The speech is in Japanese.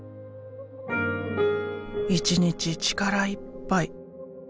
１日力いっぱい。